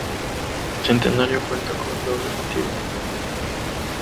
Centenario cuentan con doble sentido.